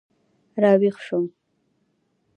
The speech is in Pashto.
را ویښ شوم.